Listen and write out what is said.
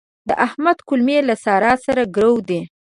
د احمد کولمې له سارا سره ګرو دي.